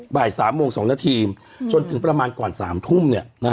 บ่าย๓โมง๒นาทีจนถึงประมาณก่อน๓ทุ่ม